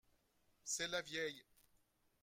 c'est la vieille